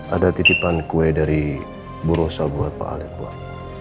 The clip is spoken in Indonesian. ada titipan kue dari burosa buat pak alec pak